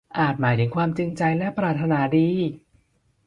อาจหมายถึงความจริงใจและปรารถนาดี